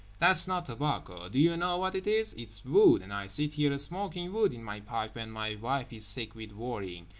—"That's not tobacco. Do you know what it is? It's wood! And I sit here smoking wood in my pipe when my wife is sick with worrying….